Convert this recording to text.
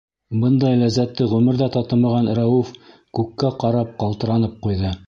Бындай ләззәтте ғүмерҙә татымаған Рәүеф күккә ҡарап ҡалтыранып ҡуйҙы.